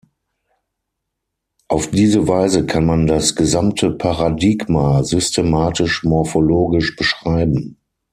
Auf diese Weise kann man das gesamte Paradigma systematisch morphologisch beschreiben.